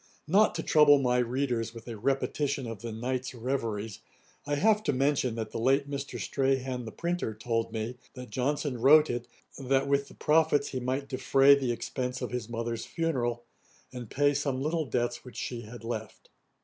Not to trouble my readers with a repetition of the Knight's reveries, I have to mention, that the late Mr. Strahan the printer told me, that Johnson wrote it, that with the profits he might defray the expence of his mother's funeral, and pay some little debts which she had left.